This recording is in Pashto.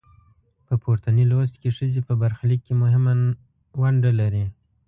په پورتني لوست کې ښځې په برخلیک کې مهمه نډه لري.